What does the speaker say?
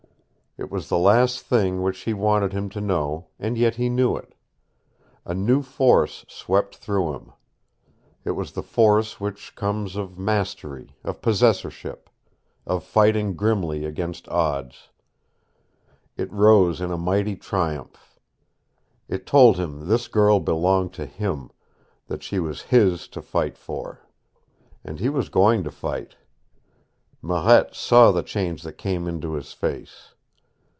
It was the last thing which she wanted him to know, and yet he knew it. A new force swept through him. It was the force which comes of mastery, of possessorship, of fighting grimly against odds. It rose in a mighty triumph. It told him this girl belonged to him, that she was his to fight for. And he was going to fight. Marette saw the change that came into his face.